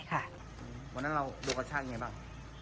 สองฝ่ายค่ะวันนั้นเราดูกับชาติยังไงบ้าง